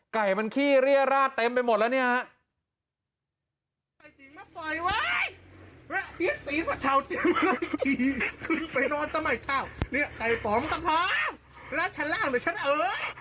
กลับไปนอนต้องให้ค่าไก่ป๋อมสะพ้านา้ระชั้นล่างเหลือชั้นเยอะ